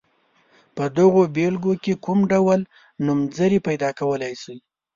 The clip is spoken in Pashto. په دغو بېلګو کې کوم ډول نومځري پیداکولای شئ.